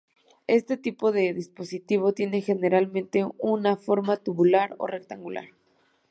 Este tipo de dispositivo tiene generalmente una forma tubular o rectangular.